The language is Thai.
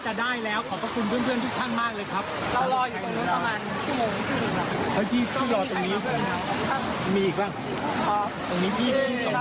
ตรงนี้พี่๒ชั่วโมง